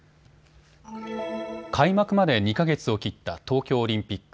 開幕まで２か月を切った東京オリンピック。